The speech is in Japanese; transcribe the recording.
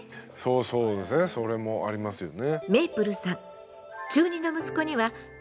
そうですねそれもありますよね。